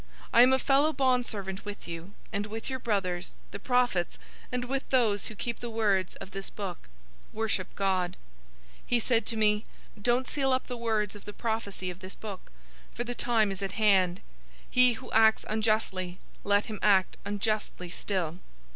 I am a fellow bondservant with you and with your brothers, the prophets, and with those who keep the words of this book. Worship God." 022:010 He said to me, "Don't seal up the words of the prophecy of this book, for the time is at hand. 022:011 He who acts unjustly, let him act unjustly still.